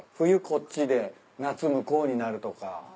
こっちで夏向こうになるとか。